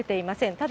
ただ、